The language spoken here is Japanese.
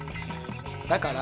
だから。